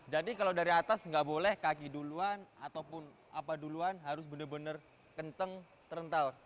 jadi kalau dari atas tidak boleh kaki duluan atau apa duluan harus benar benar kencang terlentang